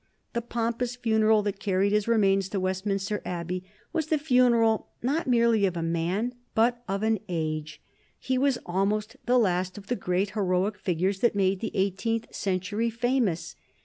The pompous funeral that carried his remains to Westminster Abbey was the funeral not merely of a man but of an age. He was almost the last of the great heroic figures that made the eighteenth century famous.